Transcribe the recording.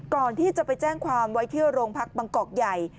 ก่อนที่จะไปแจ้งความไว้ที่โรงพักบางกอกใหญ่